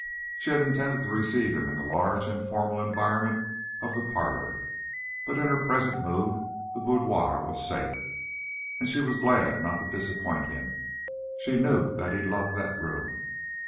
She had intended to receive him in the large and formal environment of the parlor, but in her present mood the boudoir was safe, and she was glad not to disappoint him; she knew that he loved the room.